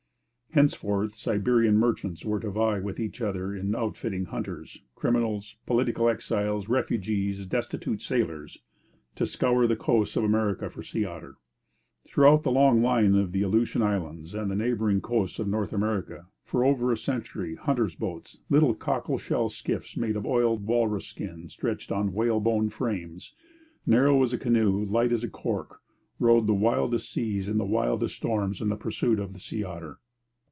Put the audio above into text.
Henceforth Siberian merchants were to vie with each other in outfitting hunters criminals, political exiles, refugees, destitute sailors to scour the coasts of America for sea otter. Throughout the long line of the Aleutian Islands and the neighbouring coasts of North America, for over a century, hunters' boats little cockle shell skiffs made of oiled walrus skin stretched on whalebone frames, narrow as a canoe, light as cork rode the wildest seas in the wildest storms in pursuit of the sea otter.